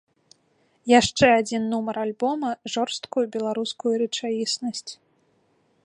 Яшчэ адзін нумар альбома жорсткую беларускую рэчаіснасць.